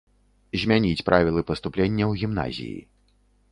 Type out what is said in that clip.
Змяніць правілы паступлення ў гімназіі.